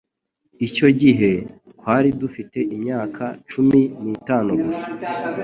Icyo gihe, twari dufite imyaka cumi n'itanu gusa.